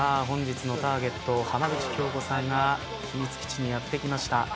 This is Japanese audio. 本日のターゲット浜口京子さんが秘密基地にやってきました。